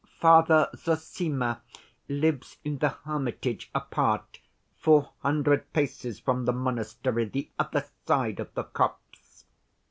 "Father Zossima lives in the hermitage, apart, four hundred paces from the monastery, the other side of the copse."